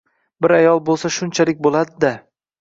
Bir ayol bo‘lsa shunchalik bo‘ladi-da